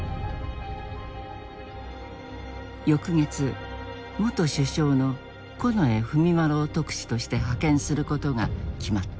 翌月元首相の近衛文麿を特使として派遣することが決まった。